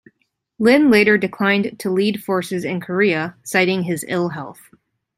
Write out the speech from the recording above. Lin later declined to lead forces in Korea, citing his ill health.